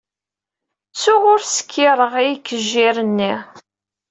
Ttuɣ ur skiṛeɣ ikejjir-nni.